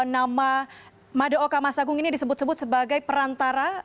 nama madaoka mas agung ini disebut sebut sebagai perantara